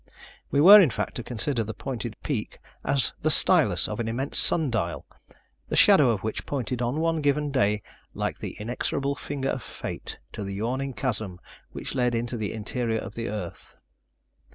We were, in fact, to consider the pointed peak as the stylus of an immense sun dial, the shadow of which pointed on one given day, like the inexorable finger of fate, to the yawning chasm which led into the interior of the earth.